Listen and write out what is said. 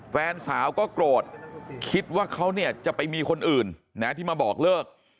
แฟนสาวก็โกรธคิดว่าเขาเนี่ยจะไปมีคนอื่นนะที่มาบอกเลิก